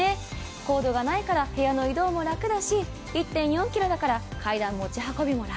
コードがないから部屋の移動もラクだし、１．４ｋｇだから階段の持ち運びも楽。